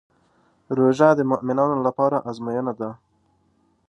روژه د مؤمنانو لپاره ازموینه ده.